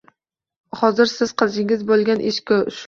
Siz hozir qilishingiz mumkin bo’lgan ish shu.